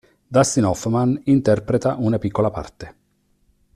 Dustin Hoffman interpreta una piccola parte.